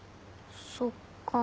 そっか。